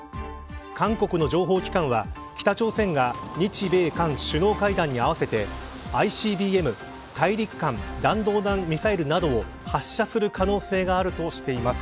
韓国の情報機関は北朝鮮が日米韓首脳会談に合わせてＩＣＢＭ＝大陸間弾道弾ミサイルなどを発射する可能性があるとしています。